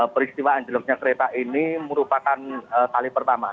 peristiwa anjloknya kereta ini merupakan kali pertama